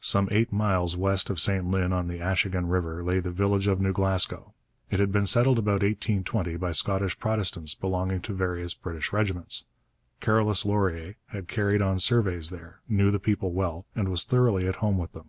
Some eight miles west of St Lin on the Achigan river lay the village of New Glasgow. It had been settled about 1820 by Scottish Protestants belonging to various British regiments. Carolus Laurier had carried on surveys there, knew the people well, and was thoroughly at home with them.